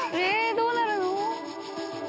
どうなるの？